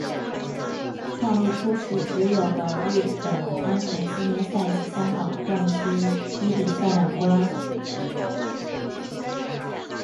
创立初时只有的日本安田纪念赛及香港冠军一哩赛两关。